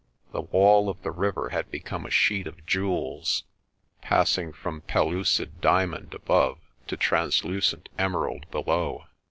The wall of the river had become a sheet of jewels, passing from pellucid diamond above to translucent emerald below.